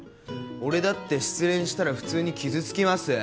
俺だって失恋したら普通に傷つきます。